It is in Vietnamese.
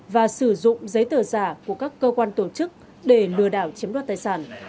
và sử dụng giấy tờ giả của các cơ quan tổ chức để lừa đảo chiếm đoạt tài sản